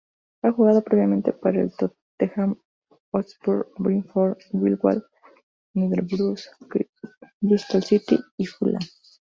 Ha jugado previamente para el Tottenham Hotspur, Brentford, Millwall, Middlesbrough, Bristol City y Fulham.